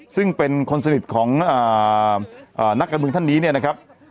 ซึ่งเป็นคนสนิทของนักกระบุงท่านนี้นะครับ